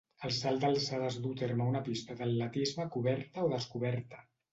El salt d'alçada es du a terme a una pista d'atletisme coberta o descoberta.